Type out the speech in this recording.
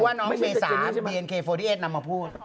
น้องเบสซ่านบีเอ็นเค๔๘นำมาพูด